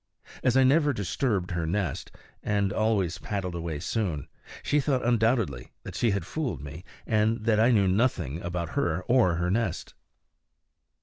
As I never disturbed her nest, and always paddled away soon, she thought undoubtedly that she had fooled me, and that I knew nothing about her or her nest.